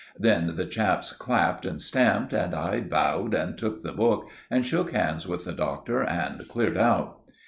Then the chaps clapped and stamped, and I bowed and took the book, and shook hands with the Doctor and cleared out.